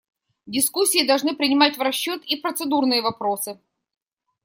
Дискуссии должны принимать в расчет и процедурные вопросы.